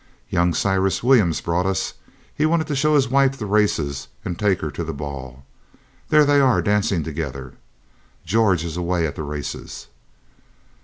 Young Cyrus Williams brought us. He wanted to show his wife the races, and take her to the ball. There they are, dancing together. George is away at the races.'